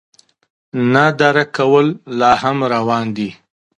نه درک کول لا هم روان دي.